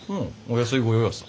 お安いご用ヤサ。